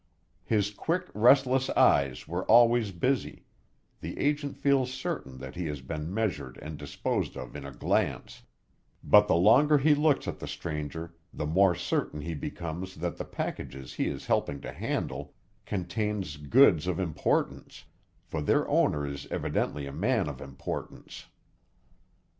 His quick, restless eyes were always busy, the agent feels certain that he has been measured and disposed of in a glance, but the longer he looks at the stranger the more certain he becomes that the packages he is helping to handle contains goods of importance, for their owner is evidently a man of importance.